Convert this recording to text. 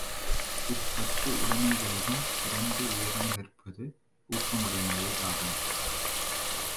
இப்பத்து உடைமைகளிலும் சிறந்து உயர்ந்து நிற்பது ஊக்கமுடைமையேயாகும்.